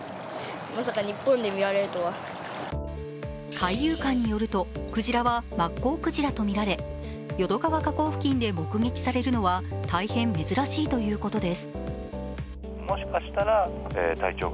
海遊館によるとクジラはマッコウクジラとみられ淀川の河口付近で目撃されるのは大変珍しいということです。